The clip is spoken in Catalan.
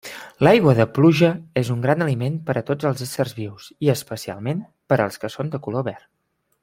L'aigua de pluja és un gran aliment per a tots els éssers vius i, especialment, per als que són de color verd.